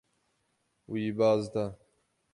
Wî baz da.